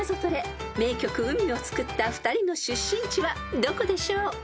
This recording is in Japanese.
［名曲『うみ』を作った２人の出身地はどこでしょう？］